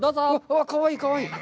かわいい、かわいい！